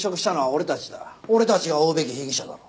俺たちが追うべき被疑者だろ。